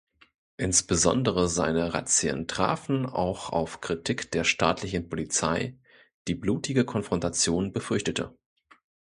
Insbesondere seine Razzien trafen auch auf Kritik der staatlichen Polizei, die blutige Konfrontationen befürchtete.